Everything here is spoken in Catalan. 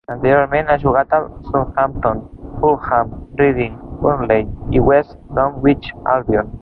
Anteriorment ha jugat al Southampton, Fulham, Reading, Burnley i West Bromwich Albion.